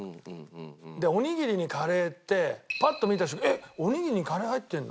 おにぎりにカレーってパッと見た瞬間「おにぎりにカレー入ってるの？」